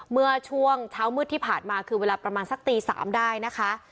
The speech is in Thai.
เมื่อช่วงเช้ามืดที่ผ่านมาคือเวลาประมาณสักตี๓ได้นะคะ